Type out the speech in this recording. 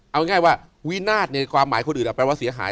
เอาง่ายว่าวินาศความหมายคนอื่นแปลว่าเสียหาย